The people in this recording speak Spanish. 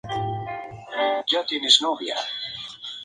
El domingo de ramos, procesiona la hermandad de Jesús Cautivo.